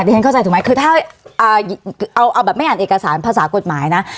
ฉันเข้าใจถูกไหมคือถ้าเอาแบบไม่อ่านเอกสารภาษากฎหมายนะ